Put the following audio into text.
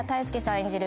演じる